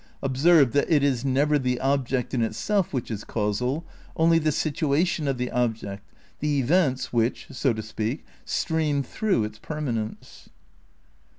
(Observe that it is never the object in itself which is causal, only the situation of the object, the events which, so to speak, stream through its permanence.)